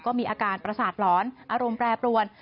ก็มีอาการประสาทหลอนอารมณ์แปรปรวน